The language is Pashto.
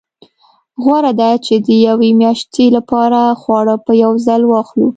غوره ده چې د یوې میاشتې لپاره خواړه په یو ځل واخلو.